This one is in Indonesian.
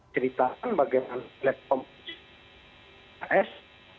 cerita bagaimana platform pks